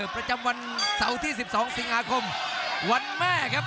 ประจำวันเสาร์ที่๑๒สิงหาคมวันแม่ครับ